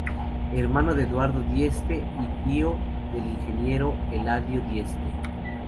Hermano de Eduardo Dieste y tío del ingeniero Eladio Dieste.